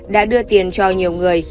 đã đưa tiền cho nhiều người